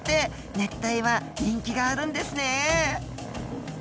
熱帯は人気があるんですね。